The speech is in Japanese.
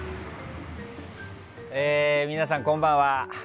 皆さん、こんばんは。